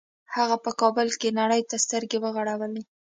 هغه په کابل کې نړۍ ته سترګې وغړولې